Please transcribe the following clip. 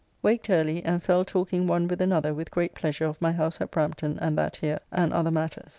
Waked early, and fell talking one with another with great pleasure of my house at Brampton and that here, and other matters.